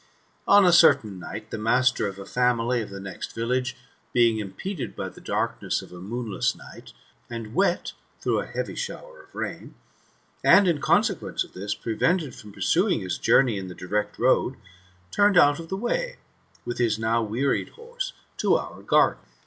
On a certain night, the master of a family, of the next village, being impeded by the darkness of a moonless night, and wet through a heavy shower of rain, and in consequence of this, prevented from pursuing his journey in the direct road, turned out of the way, with his now wearied hbrse, to our garden.